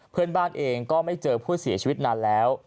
เพื่อนบ้านเองก็ไม่เจอผู้เสียชีวิตนานแล้ว